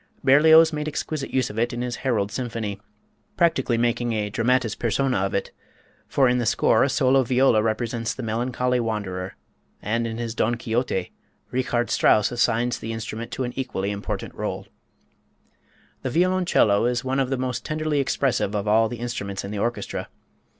Berlioz made exquisite use of it in his "Harold Symphony," practically making a dramatis persona of it, for in the score a solo viola represents the melancholy wanderer; and in his "Don Quixote," Richard Strauss assigns to the instrument an equally important rôle. The violoncello is one of the most tenderly expressive of all the instruments in the orchestra.